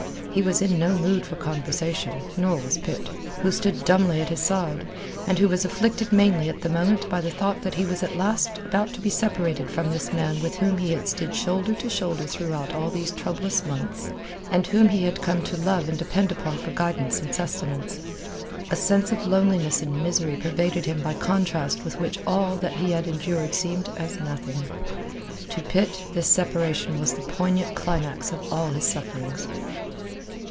He was in no mood for conversation, nor was Pitt, who stood dumbly at his side, and who was afflicted mainly at the moment by the thought that he was at last about to be separated from this man with whom he had stood shoulder to shoulder throughout all these troublous months, and whom he had come to love and depend upon for guidance and sustenance. A sense of loneliness and misery pervaded him by contrast with which all that he had endured seemed as nothing. To Pitt, this separation was the poignant climax of all his sufferings.